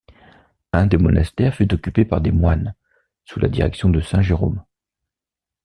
Un des monastères fut occupé par des moines, sous la direction de saint Jérôme.